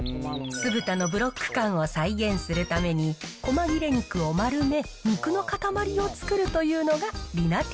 酢豚のブロック感を再現するために、コマ切れ肉を丸め、肉の塊を作るというのがりなてぃ